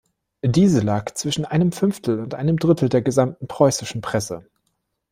Diese lag zwischen einem Fünftel und einem Drittel der gesamten preußischen Presse.